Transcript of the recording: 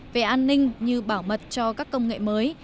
về an ninh như bảo mật cho các công nghệ mới